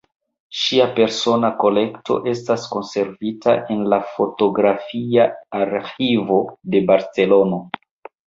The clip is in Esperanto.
Ŝia persona kolekto estas konservita en la Fotografia Arĥivo de Barcelono.